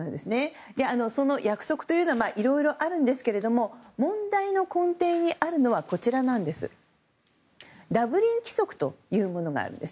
約束というのはいろいろあるんですけども問題の根底にあるのはダブリン規則というものがあるんです。